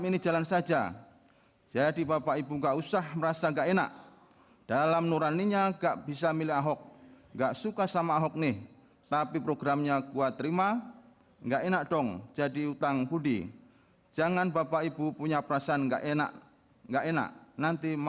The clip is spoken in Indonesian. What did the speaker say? dan dihubungkan dengan barang bukti